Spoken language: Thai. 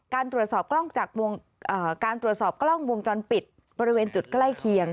การตรวจสอบกล้องจอนปิดบริเวณจุดใกล้เคียง